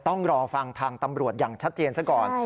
ต้องรอฟังทางตำรวจอย่างชัดเจนซะก่อน